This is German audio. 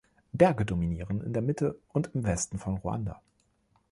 Berge dominieren in der Mitte und im Westen von Ruanda.